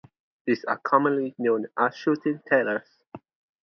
These are commonly known as "Shooting thalers".